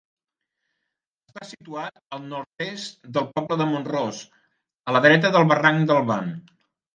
Està situat al nord-est del poble de Mont-ros, a la dreta del barranc del Ban.